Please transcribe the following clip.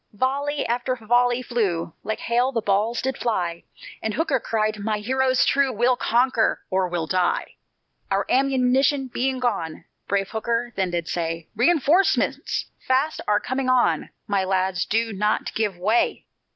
Volley after volley flew, Like hail the balls did fly, And Hooker cried: "My heroes true, We'll conquer or we'll die." Our ammunition being gone, Brave Hooker then did say: "Reënforcements fast are coming on, My lads, do not give way.